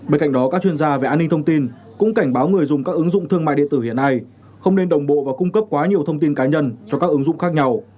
bên cạnh đó các chuyên gia về an ninh thông tin cũng cảnh báo người dùng các ứng dụng thương mại điện tử hiện nay không nên đồng bộ và cung cấp quá nhiều thông tin cá nhân cho các ứng dụng khác nhau